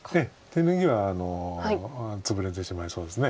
手抜きはツブれてしまいそうです。